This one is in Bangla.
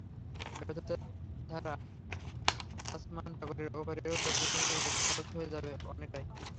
ব্যর্থতার ধারা তাসমান সাগরের ওপারেও চলতে থাকলে হিসাব সহজ হয়ে যাবে অনেকটাই।